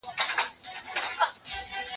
زه به د لغتونو زده کړه کړې وي؟!